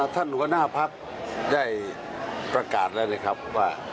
ท่านหัวหน้าพักได้ประกาศแล้วเลยครับว่า